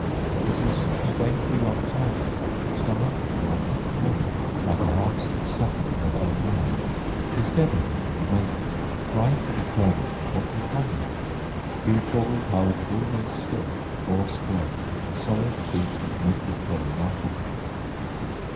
It was strangely lop sided, its dimensions out of proportion, like a house that suddenly had gone mad. He stared at it in amazement, trying to determine what was wrong with it. He recalled how it had always stood, foursquare, a solid piece of mid Victorian architecture.